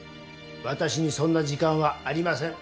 私にそんな時間はありません。